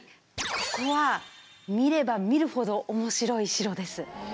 ここは見れば見るほど面白い城です。